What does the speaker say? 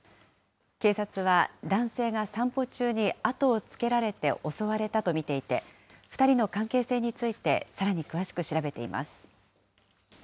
警察は、男性が散歩中に後を付けられて襲われたと見ていて、２人の関係性についてさらに詳しく調べています。